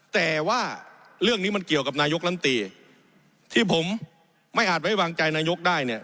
แต่ว่าเรื่องนี้มันเกี่ยวกับนายกลำตีที่ผมไม่อาจไว้วางใจนายกได้เนี่ย